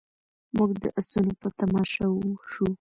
موږ د اسونو په تماشه شوو.